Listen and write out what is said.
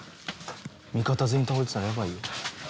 味方全員倒れてたらヤバいよ。